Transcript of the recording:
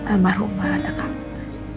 amar rumah dekat